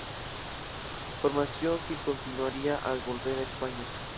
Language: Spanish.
Formación que continuaría al volver a España.